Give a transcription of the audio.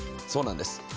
そうなんです。